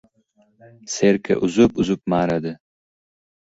Serka uzib-uzib ma’radi.